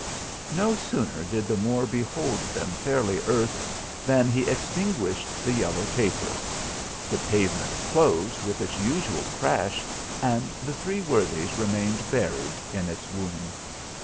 No sooner did the Moor behold them fairly earthed than he extinguished the yellow taper: the pave ment closed with its usual crash, and the three worthies remained buried in its womb.